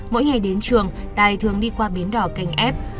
mỗi ngày đến trường tài thường đi qua bến đò kênh f